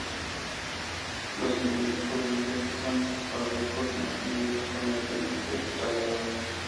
Los individuos juveniles son parduzcos más que negros, con el vientre rayado.